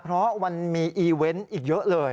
เพราะมันมีอีเวนต์อีกเยอะเลย